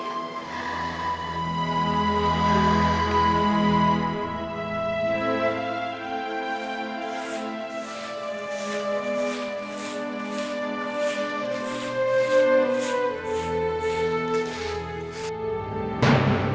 ya allah lindungilah dia